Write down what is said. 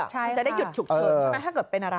มันจะได้หยุดฉุกเฉินใช่ไหมถ้าเกิดเป็นอะไร